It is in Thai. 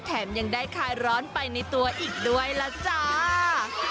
แถมยังได้คลายร้อนไปในตัวอีกด้วยล่ะจ้า